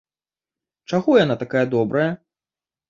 Чаго яна такая добрая?